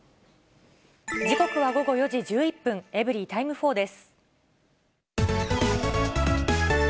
時刻は午後４時１１分、エブリィタイム４です。